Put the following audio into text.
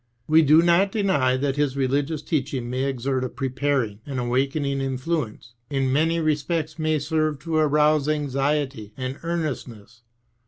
We do not deny that his religious teaching may exert a preparing and awakening in fluence, in many respects may serve to arouse anxiety and earnestness.